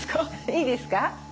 いいですか？